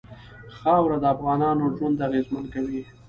خاوره د افغانانو ژوند اغېزمن کوي.